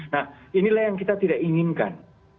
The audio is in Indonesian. nah inilah yang kita tidak inginkan